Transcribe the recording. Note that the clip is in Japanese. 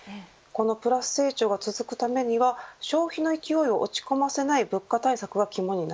このプラス成長が続くためには消費の勢いを落ち込ませない